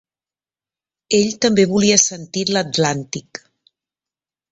Ell també volia sentir l'Atlàntic.